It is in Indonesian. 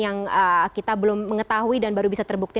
yang kita belum mengetahui dan baru bisa terbukti